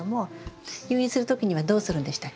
誘引する時にはどうするんでしたっけ？